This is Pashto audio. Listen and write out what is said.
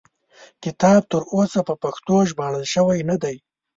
کتاب تر اوسه په پښتو ژباړل شوی نه دی.